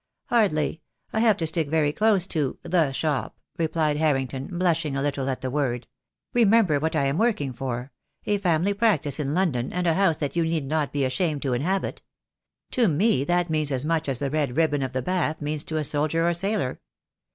"Hardly. I have to stick very close to — the shop," replied Harrington, blushing a little at the word. "Re member what I am working for — a family practice in London and a house that you need not be ashamed to inhabit. To me that means as much as the red ribbon of the Bath means to a soldier or sailor.